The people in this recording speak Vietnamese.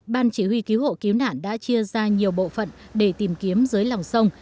ban chỉ huy cứu hộ cứu nạn đã chia ra nhiều bộ phận để tìm kiếm dưới lòng sông